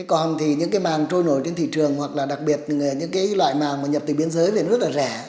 còn thì những cái màng trôi nổi trên thị trường hoặc là đặc biệt những cái loại màng mà nhập từ biên giới thì rất là rẻ